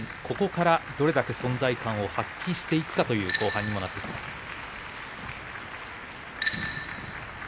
ここからどれだけ存在感を発揮していくかという後半にもなってきます。